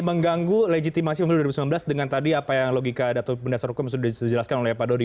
mengganggu legitimasi pemilu dua ribu sembilan belas dengan tadi apa yang logika atau mendasar hukum yang sudah dijelaskan oleh pak dodi